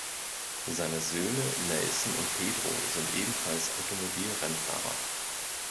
Seine Söhne Nelson und Pedro sind ebenfalls Automobilrennfahrer.